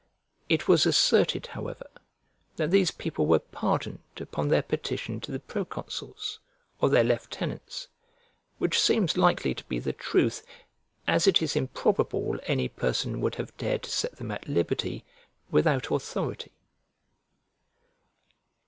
It was asserted, however, that these people were pardoned upon their petition to the proconsuls, or their lieutenants; which seems likely to be the truth, as it is improbable any person would have dared to set them at liberty without authority.